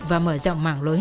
và mở rộng mảng lối